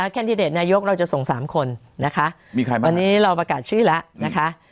แคนดิเดตนายกเราจะส่ง๓คนนะคะมีใครบ้างวันนี้เราประกาศชื่อแล้วนะคะ